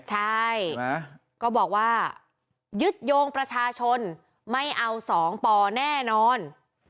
ใช่ก็บอกว่ายึดโยงประชาชนไม่เอา๒ปแน่นอน